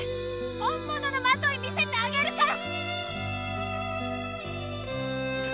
本物のマトイ見せてあげるから。